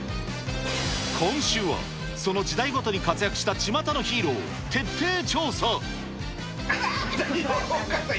今週は、その時代ごとに活躍したちまたのヒーローを徹底調査。